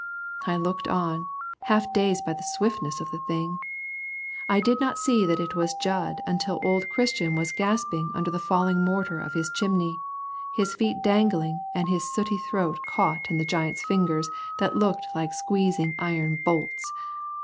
I looked on, half dazed by the swiftness of the thing. I did not see that it was Jud until old Christian was gasping under the falling mortar of his chimney, his feet dangling and his sooty throat caught in the giant's fingers, that looked like squeezing iron bolts.